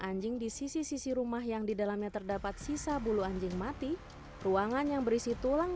anjing di sisi sisi rumah yang didalamnya terdapat sisa bulu anjing mati ruangan yang berisi tulang